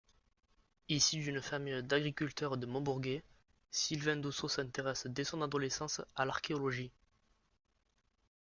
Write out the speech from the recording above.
Issu d'une famille d'agriculteurs de Maubourguet, Sylvain Doussau s'intéresse dès son adolescence à l'archéologie.